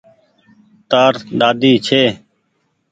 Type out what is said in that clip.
تآر ۮاۮي ڇي۔